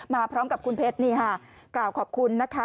มาพร้อมกับคุณเพชรนี่ค่ะกล่าวขอบคุณนะคะ